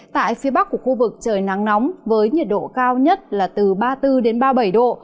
tại phía bắc của khu vực trời nắng nóng với nhiệt độ cao nhất là từ ba mươi bốn đến ba mươi bảy độ